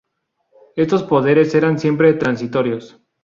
Estos poderes eran siempre transitorios.